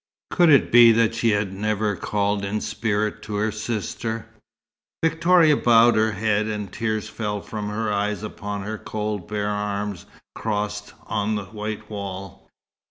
Could it be that she had never called in spirit to her sister? Victoria bowed her head, and tears fell from her eyes upon her cold bare arms, crossed on the white wall.